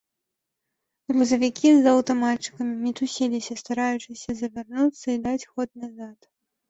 Грузавікі з аўтаматчыкамі мітусіліся, стараючыся завярнуцца і даць ход назад.